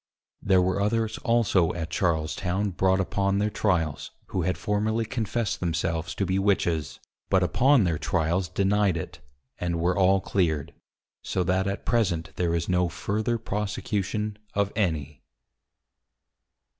There were others also at Charles town brought upon their Tryals, who had formerly confess'd themselves to be Witches; but upon their tryals deny'd it, and were all clear'd; So that at present there is no further prosecution of any.